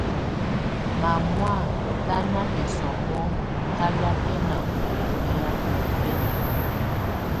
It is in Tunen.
Mámɔ́á lá ná bísómó hálɛ̀ákɛna ú nɛhɛ́yɛ niɔ́fɛna.